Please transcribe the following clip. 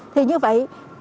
thì như vậy